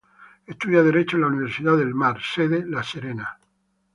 Estudia Derecho en la Universidad del Mar, sede La Serena.